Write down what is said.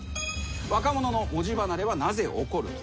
「若者の文字離れはなぜ起こる」と。